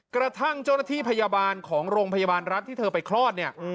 กระทั่งเจ้าหน้าที่พยาบาลของโรงพยาบาลรัฐที่เธอไปคลอดเนี่ย